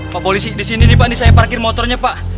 pak polisi disini nih pak nih saya parkir motornya pak